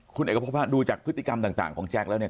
คุณเอกพบดูจากพฤติกรรมต่างของแจ็คแล้วเนี่ย